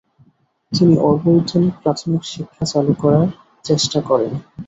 তিনি অবৈতনিক প্রাথমিক শিক্ষা চালু করার চে্টা করেন।